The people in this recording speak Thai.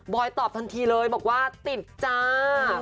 อยตอบทันทีเลยบอกว่าติดจ้า